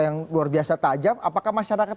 yang luar biasa tajam apakah masyarakat